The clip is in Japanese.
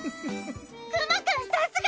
クマくんさすが！